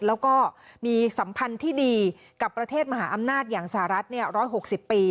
แล้วก็มีสัมพันธ์ที่ดีกับประเทศมหาอำนาจอย่างสหรัฐ๑๖๐ปี